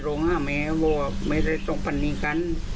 เย้ลงหาแม่ว่าไม่ได้ตกผนิกัน